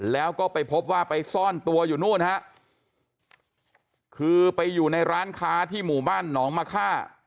แล้วก็ไปพบว่าไปซ่อนตัวอยู่นู่นฮะคือไปอยู่ในร้านค้าที่หมู่บ้านหนองมะค่า